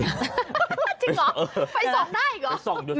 จริงเหรอไปส่องได้เหรอ